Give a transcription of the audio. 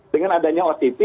dengan adanya otp